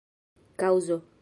kaŭzo